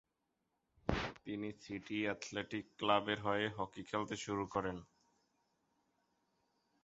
তিনি city athletic ক্লাবের হয়ে হকি খেলতে শুরু করেন।